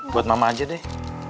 buat mama aja deh